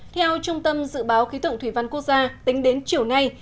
theo trung tâm dự báo khí tượng thủy văn quốc gia tính đến chiều nay